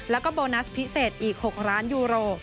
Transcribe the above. แล้วก็โบนัสพิเศษอีก๖ล้านยูโร